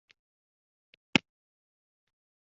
Nahotki, sevgiga shudir tamanno?